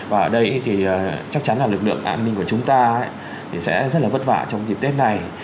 và ở đây thì chắc chắn là lực lượng an ninh của chúng ta sẽ rất là vất vả trong dịp tết này